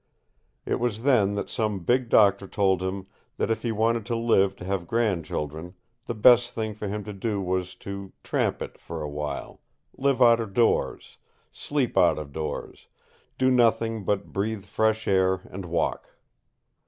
It was then that some big doctor told him that if he wanted to live to have grandchildren, the best thing for him to do was to "tramp it" for a time live out of doors, sleep out of doors, do nothing but breathe fresh air and walk.